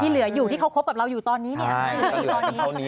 ที่เหลืออยู่ที่เขาคบากับเราอยู่ตอนนี้